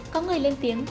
có người lên tiếng